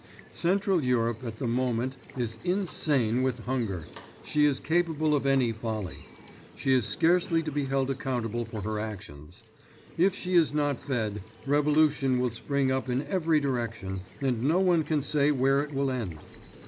Central Europe at the moment is insane with hunger. She is capable of any folly. She is scarcely to be held accountable for her actions. If she is not fed, revolution will spring up in every direction and no one can say where it will end.